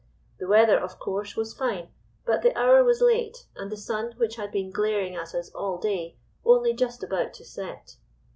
The weather (of course) was fine, but the hour was late, and the sun, which had been glaring at us all day, only just about to set.